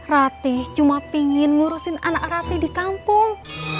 ratih cuma pingin ngurusin anak rati di kampung